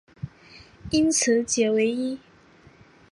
因此解唯一。